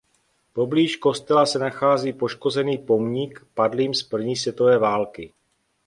Poblíž kostela se nachází poškozený pomník padlým z první světové války.